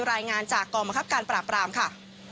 รายงานจากกองบังคับการปราบรามค่ะ